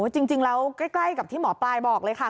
จริงแล้วใกล้กับที่หมอปลายบอกเลยค่ะ